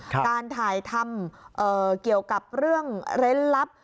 การถ่ายทำเกี่ยวกับเรื่องเร้นลับ